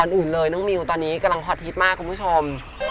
อื่นเลยน้องมิวตอนนี้กำลังฮอตฮิตมากคุณผู้ชม